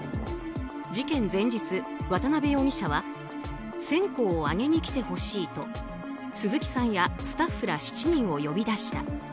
事件前日、渡辺容疑者は線香をあげに来てほしいと鈴木さんやスタッフら７人を呼び出した。